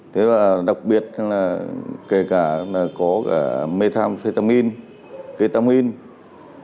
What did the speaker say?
thế và đặc biệt là kể cả là có cả methamphetamine ketamine